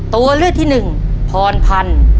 ตัวเลือดที่๑พรพันธ์